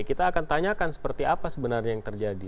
kita akan tanyakan seperti apa sebenarnya yang terjadi